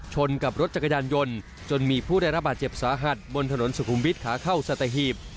กับรถจักรยานยนต์จนมีผู้ได้รับบาดเจ็บสาหัสบนถนนสุขุมวิทย์ขาเข้าสัตหีบ